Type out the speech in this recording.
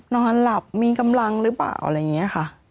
นอนหลับมีกำลังหรือเปล่าอะไรอย่างนี้ค่ะ